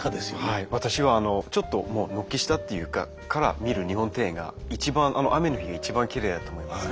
はい私はあのちょっともう軒下っていうかから見る日本庭園が一番雨の日が一番きれいだと思います。